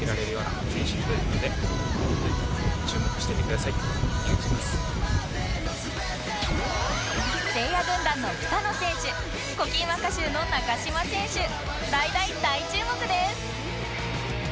せいや軍団の北野選手『古今和歌集』の中島選手大大大注目です！